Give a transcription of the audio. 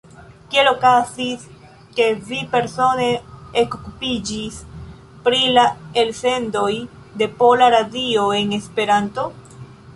Kiel okazis ke vi persone ekokupiĝis pri la elsendoj de Pola Radio en Esperanto?